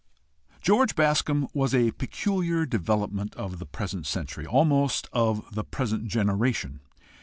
George Bascombe was a peculiar development of the present century, almost of the present generation.